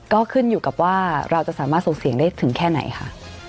ก็ขึ้นอยู่กับว่าเราจะสามารถส่งเสียงได้ถึงแค่ไหนค่ะ